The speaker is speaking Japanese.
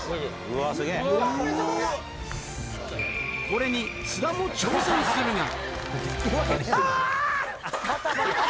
これに津田も挑戦するが。